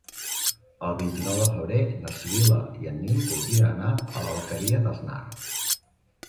El vint-i-nou de febrer na Sibil·la i en Nil voldrien anar a l'Alqueria d'Asnar.